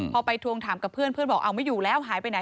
พอไปทวงถามกับเพื่อนเพื่อนบอกเอาไม่อยู่แล้วหายไปไหน